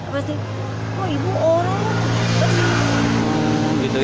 kok ibu orang